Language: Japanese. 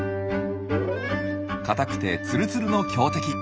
硬くてツルツルの強敵。